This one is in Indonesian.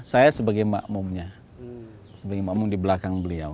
saya sebagai makmumnya sebagai makmum di belakang beliau